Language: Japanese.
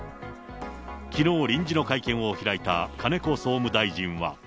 きのう、臨時の会見を開いた金子総務大臣は。